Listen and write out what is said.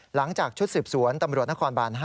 หลังจากชุดสืบสวนตำรวจนครบาน๕